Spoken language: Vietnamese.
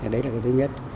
đấy là cái thứ nhất